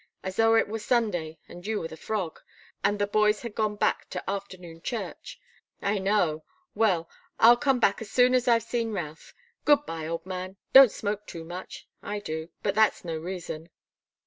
As though it were Sunday, and you were the frog and the boys had gone back to afternoon church? I know! Well I'll come back as soon as I've seen Routh. Good bye, old man don't smoke too much. I do but that's no reason."